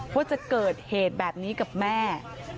ว่าจะเกิดเหตุแบบนี้กับแม่